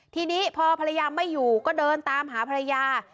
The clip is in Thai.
ทีนี้พอภรรยาไม่อยู่ก็เดินตามหาภรรยา